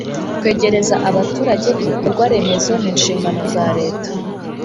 kwegereza abaturage ibikorwaremezo nishingano za leta.